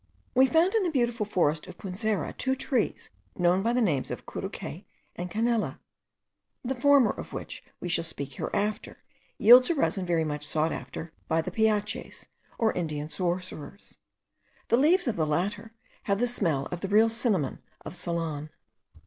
We found in the beautiful forest of Punzera two trees known by the names of curucay and canela; the former, of which we shall speak hereafter, yields a resin very much sought after by the Piaches, or Indian sorcerers; the leaves of the latter have the smell of the real cinnamon of Ceylon.